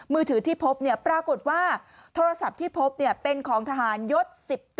มือถือที่พบปรากฏว่าโทรศัพท์ที่พบเป็นของทหารยศ๑๑